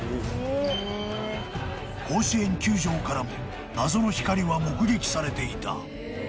［甲子園球場からも謎の光は目撃されていた］